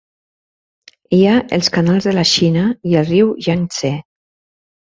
Hi ha els canals de la Xina i el riu Yang-tse.